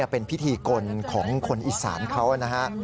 เป็นพิธีกลของคนอีสานเขานะฮะ